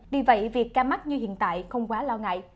vì vậy việc ca mắc như hiện tại không quá lo ngại